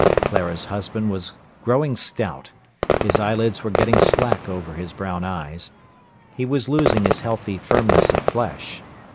Clara's husband was growing stout; his eyelids were getting slack over his brown eyes; he was losing his healthy firmness of flesh.